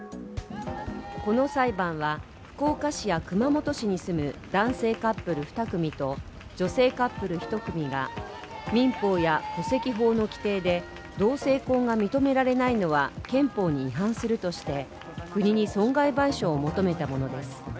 この裁判は、福岡市や熊本市に住む、男性カップル２組と女性カップル１組が民法や戸籍法の規定で同性婚が認められないのは憲法に違反するとして国に損害賠償を求めたものです。